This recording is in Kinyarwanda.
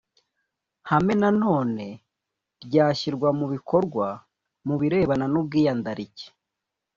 hame nanone ryashyirwa mu bikorwa mu birebana n ubwiyandarike